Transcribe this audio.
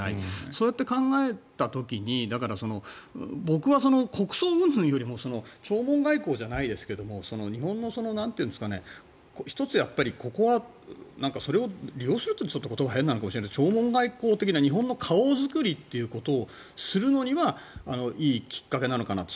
そうやって考えた時に僕は国葬うんぬんよりも弔問外交じゃないですが日本の１つ、ここはそれを利用するというとちょっと言葉が変かもしれないけど弔問外交という日本の顔作りをするのにはいいきっかけなのかなと。